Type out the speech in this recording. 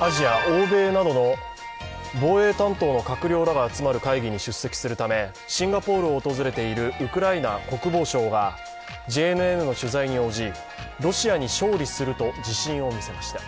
アジア、欧米などの防衛担当の閣僚らが集まる会議に出席するためシンガポールを訪れているウクライナ国防相がＪＮＮの取材に応じ、ロシアに勝利すると自信を見せました。